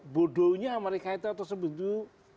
bodonya amerika itu atau sebagainya itu